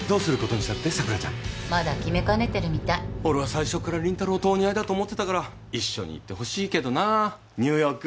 俺は最初から凛太郎とお似合いだと思ってたから一緒に行ってほしいけどなニューヨーク。